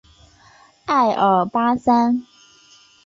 爱尔巴桑。